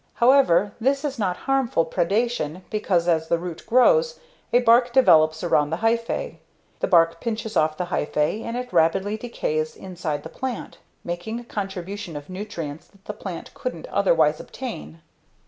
However, this is not harmful predation because as the root grows, a bark develops around the hyphae. The bark pinches off the hyphae and it rapidly decays inside the plant, making a contribution of nutrients that the plant couldn't otherwise obtain.